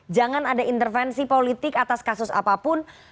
jangan ada intervensi politik atas kasus apapun